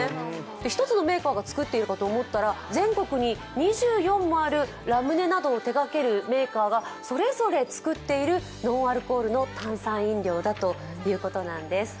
１つのメーカーが作っているかと思ったら、全国に２４もある、ラムネなどを手がけるメーカーがそれぞれ作っているノンアルコールの炭酸飲料だということなんです。